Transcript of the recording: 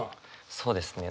そうですね